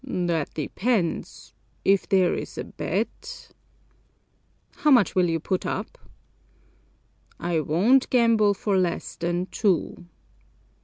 "That depends if there's a bet." "How much will you put up?" "I won't gamble for less than two."